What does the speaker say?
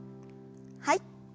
はい。